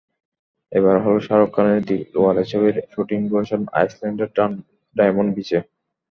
এবার হলো শাহরুখ খানের দিলওয়ালে ছবির শুটিং লোকেশন আইসল্যান্ডের ডায়মন্ড বিচে।